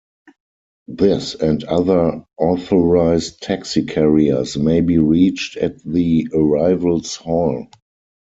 This and other authorized taxi carriers may be reached at the arrivals hall.